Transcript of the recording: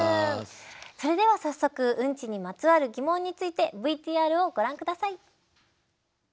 それでは早速ウンチにまつわる疑問についてＶＴＲをご覧下さい。